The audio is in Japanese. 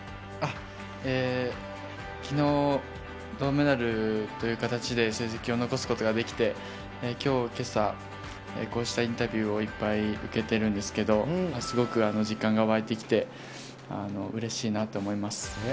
きのう、銅メダルという形で成績を残すことができて、きょうけさ、こうしたインタビューをいっぱい受けてるんですけど、すごく実感が湧いてきて、うれしいなと思います。